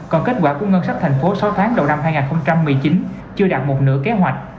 còn kết quả của ngân sách thành phố sáu tháng đầu năm hai nghìn một mươi chín chưa đạt một nửa kế hoạch